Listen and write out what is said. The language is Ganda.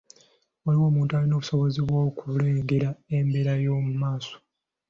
Waliwo omuntu alina obusobozi bw’okulengera embeera y'omu maaso?